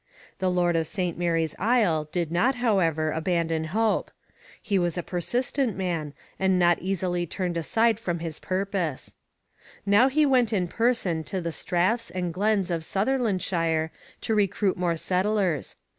The lord of St Mary's Isle did not, however, abandon hope; he was a persistent man and not easily turned aside from his purpose. Now he went in person to the straths and glens of Sutherlandshire to recruit more settlers.